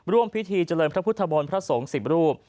ร่วมพิธีเจริญพระพุทธมนต์พระสงฆ์๑๐รูป